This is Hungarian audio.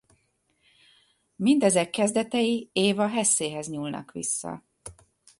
Mindezek kezdetei Eva Hessehez nyúlnak vissza.